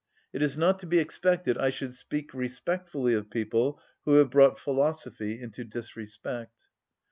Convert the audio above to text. It is not to be expected I should speak respectfully of people who have brought philosophy into disrespect."